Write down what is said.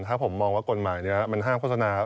ถ้าผมมองว่ากฎหมายนี้มันห้ามโฆษณา